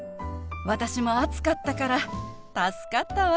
私も暑かったから助かったわ。